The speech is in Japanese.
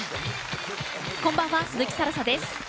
こんばんは、鈴木新彩です。